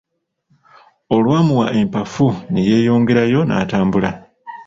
Olwamuwa empafu ne yeeyongerayo n'atambula.